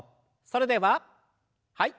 それでははい。